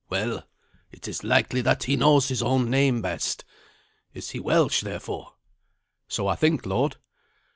Well, it is likely that he knows his own name best. Is he Welsh, therefore?" "So I think, lord."